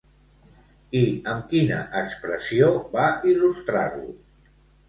I amb quina expressió va il·lustrar-lo?